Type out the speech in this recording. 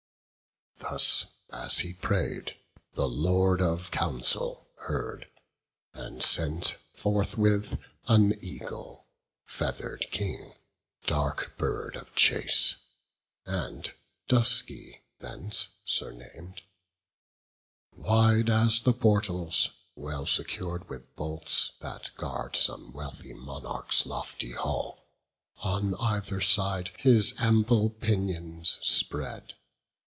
Thus as he pray'd, the Lord of counsel heard; And sent forthwith an eagle, feather'd king, Dark bird of chase, and Dusky thence surnam'd: Wide as the portals, well secur'd with bolts, That guard some wealthy monarch's lofty hall, On either side his ample pinions spread.